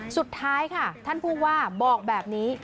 สุดท้ายค่ะท่านผู้ว่าบอกแบบนี้